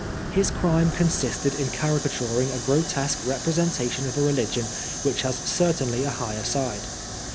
His crime consisted in caricaturing a grot^que representation of a religion which has certainly a higher side.